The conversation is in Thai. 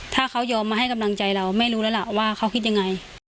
ถ้าเขายอมมาให้กำลังใจเราไม่รู้แล้วล่ะว่าเขาคิดยังไง